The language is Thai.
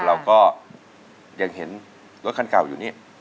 เราก็ยังเห็นรถคันเก่าอยู่นี่